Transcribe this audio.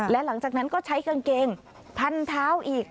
และหลังจากนั้นก็ใช้กางเกงพันเท้าอีก